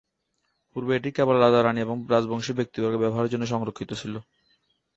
পূর্বে এটি কেবল রাজা-রাণী এবং রাজবংশীয় ব্যক্তিবর্গের ব্যবহারের জন্য সংরক্ষিত ছিল।